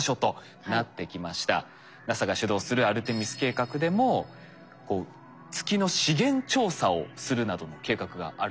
ＮＡＳＡが主導するアルテミス計画でもこう月の資源調査をするなどの計画があるんですよね。